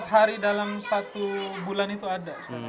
tiga empat hari dalam satu bulan itu ada